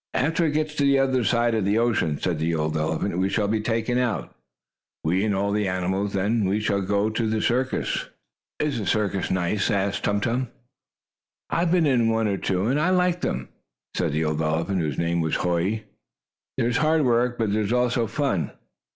"After it gets to the other side of the ocean," said the old elephant, "we shall be taken out we and all the animals. Then we shall go to the circus." "Is the circus nice?" asked Tum Tum. "I have been in one or two, and I like them," said the old elephant, whose name was Hoy. "There is hard work, but there is also fun."